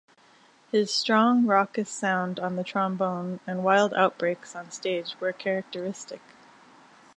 His strong, raucous sound on the trombone and wild outbreaks on stage were characteristic.